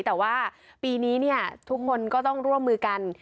แต่ว่าปีนี้เนี่ยทุกคนก็ต้องร่วมมือกัน